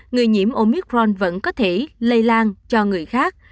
người nhiễm omicron vẫn có thể lây lan cho người khác